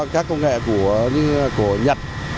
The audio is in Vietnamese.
các công nghệ của nhật